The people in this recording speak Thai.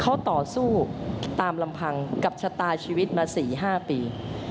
เขาต่อสู้ตามลำพังกับชะตาชีวิตมา๔๕ปี